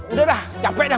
udah dah capek dah